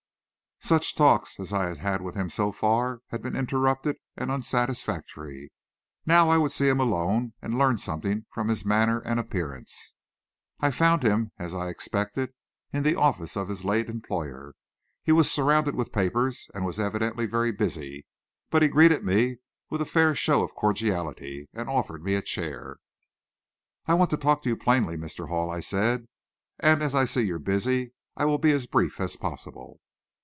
Such talks as I had had with him so far, had been interrupted and unsatisfactory. Now I would see him alone, and learn something from his manner and appearance. I found him, as I had expected, in the office of his late employer. He was surrounded with papers, and was evidently very busy, but he greeted me with a fair show of cordiality, and offered me a chair. "I want to talk to you plainly, Mr. Hall," I said, "and as I see you're busy, I will be as brief as possible."